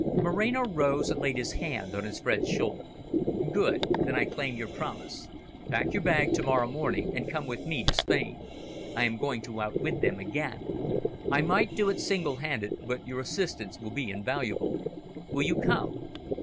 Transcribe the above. Moreno rose and laid his hand on his friend's shoulder. "Good! Then I claim your promise. Pack your bag to morrow morning and come with me to Spain. I am going to outwit them again. I might do it single handed, but your assistance will be invaluable. Will you come?"